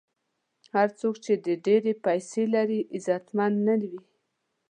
هر څوک چې ډېرې پیسې لري، عزتمن نه وي.